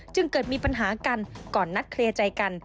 เกิดมีปัญหากันก่อนนัดเคลียร์ใจกัน